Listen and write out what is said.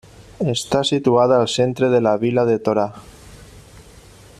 Està situada al centre de la vila de Torà.